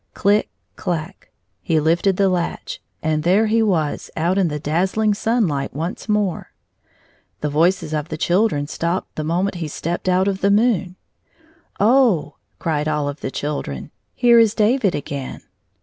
Click clack! He lifted the latch, and there he was out in the dazzling sunlight once more. The voices of the children stopped the moment he stepped out of the moon. " Oh h h h !" cried all the children, "here is David again."